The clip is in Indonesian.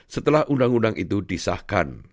setelah undang undang itu disahkan